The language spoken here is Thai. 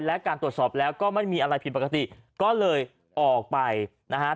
และการตรวจสอบแล้วก็ไม่มีอะไรผิดปกติก็เลยออกไปนะฮะ